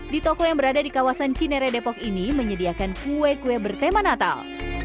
di toko yang berada di kawasan cinere depok ini menyediakan kue kue bertema natal